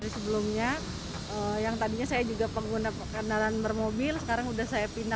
sebelumnya yang tadinya saya juga pengguna kendaraan bermobil sekarang sudah saya pindah